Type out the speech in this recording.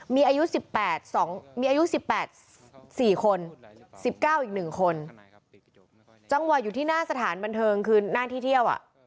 มีอายุ๑๘สี่คน๑๙อีกหนึ่งคนจ้องว่าอยู่ที่หน้าสถานบันเทิงคือหน้าที่เที่ยว